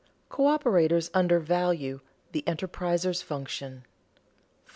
[Sidenote: Coöperators under value the enterpriser's function] 4.